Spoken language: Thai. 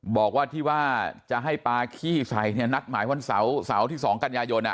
บอกว่าที่ว่าจะให้ปลาขี้ใส่เนี่ยนัดหมายวันเสาร์ที่๒กันยายน